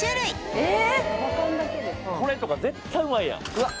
これとか絶対うまいやんうわっ蟹